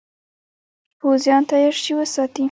پوځیان تیار سی وساتي.